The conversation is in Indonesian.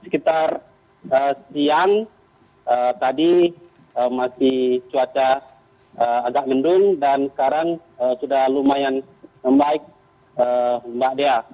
sekitar siang tadi masih cuaca agak mendung dan sekarang sudah lumayan membaik mbak dea